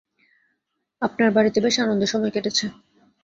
আপনার বাড়িতে বেশ আনন্দে সময় কেটেছে।